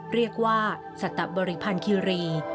เรียกว่าสตบริพันธ์คิรี